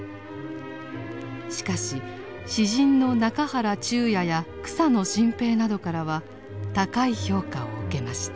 しかし詩人の中原中也や草野心平などからは高い評価を受けました。